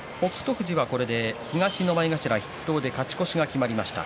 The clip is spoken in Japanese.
富士はこれで東の前頭筆頭で勝ち越しが決まりました。